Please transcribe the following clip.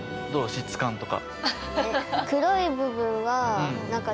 質感とか。